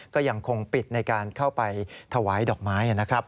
ก็ยังคงปิดในการเข้าไปถวายดอกไม้นะครับ